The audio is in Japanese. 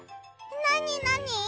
なになに？